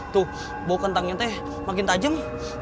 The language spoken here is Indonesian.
tuh bau kentangnya teh makin tajam